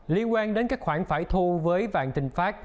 liên quan đến các khoản phải thu với vạn tình phát